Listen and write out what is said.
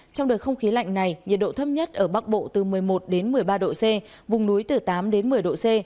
trong đợt không khí lạnh này nhiệt độ thấp nhất ở bắc bộ từ một mươi một đến một mươi ba độ c vùng núi từ tám đến một mươi độ c